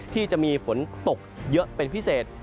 ที่จะมีฝนตกเยอะเป็นพิเศษ